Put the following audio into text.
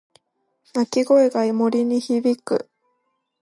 鳴き声が森に響く。